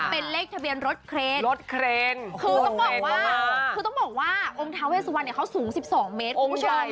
เป็นเลขทะเบียนรถเครนคือต้องบอกว่าองค์ท้าเวสูอันเขาสูง๑๒เมตรพูดเชิญ